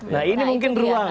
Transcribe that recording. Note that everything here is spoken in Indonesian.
nah ini mungkin beruang